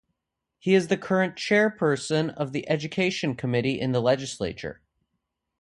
He is the current chairperson of the education committee in the legislature.